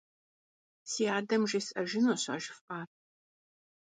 Си адэм жесӏэжынущ а жыфӏар.